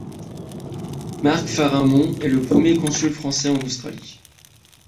Marc Faramond est le premier consul français en Australie.